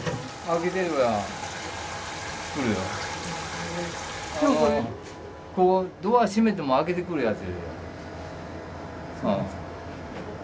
あのドア閉めても開けてくるやついるよ。